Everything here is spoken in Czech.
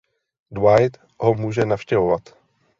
Dwight ho může navštěvovat.